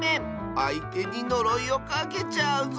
あいてにのろいをかけちゃうぞ！